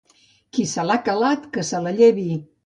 Qui se l'ha calat, que se la llevi!